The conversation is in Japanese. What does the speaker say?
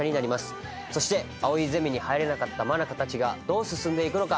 そして藍井ゼミに入れなかった真中たちがどう進んでいくのか？